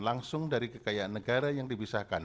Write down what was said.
langsung dari kekayaan negara yang dibisahkan